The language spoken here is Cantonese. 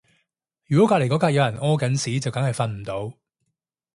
如果隔離嗰格有人屙緊屎就梗係瞓唔到